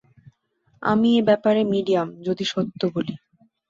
আমি এ ব্যাপারে মিডিয়াম, যদি সত্য বলি।